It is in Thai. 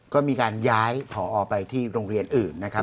ก็มีการย้ายผอไปที่โรงเรียนอื่นนะครับ